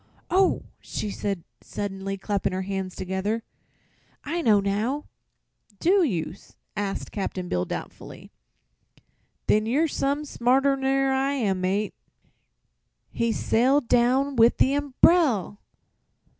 "Oh!" she said suddenly, clapping her hands together; "I know now." "Do you?" asked Cap'n Bill, doubtfully. "Then you're some smarter ner I am, mate." "He sailed down with the umbrel!"